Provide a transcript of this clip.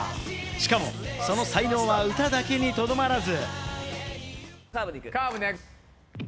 しかもその才能は歌だけにとどまらず。